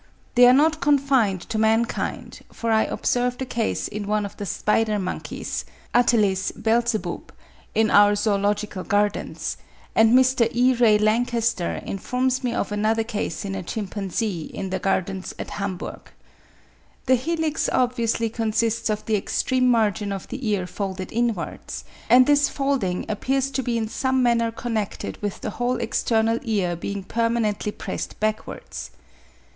They are not confined to mankind, for I observed a case in one of the spider monkeys (Ateles beelzebuth) in our Zoological Gardens; and Mr. E. Ray Lankester informs me of another case in a chimpanzee in the gardens at Hamburg. The helix obviously consists of the extreme margin of the ear folded inwards; and this folding appears to be in some manner connected with the whole external ear being permanently pressed backwards.